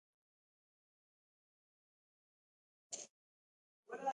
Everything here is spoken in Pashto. په محیطي عصبي سیستم کې حسي او خوځېدونکي برخې شته.